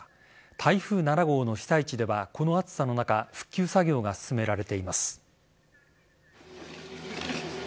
台風７号の被災地ではこの暑さの中復旧作業が進められています。